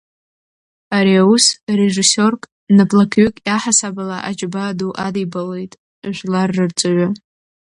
Ари аус режиссиорк наплакҩык иаҳасабала аџьабаа ду адибалеит жәлар рырҵаҩы…